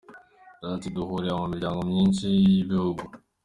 Yagize ati: “Duhurira mu miryango myinshi y’ibihugu.